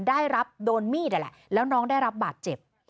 ได้รับโดนมีดนั่นแหละแล้วน้องได้รับบาดเจ็บ